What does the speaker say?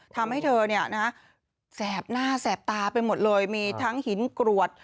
ทำให้เธอแสบหน้าแสบตาไปหมดเลยมีทั้งหินกรวด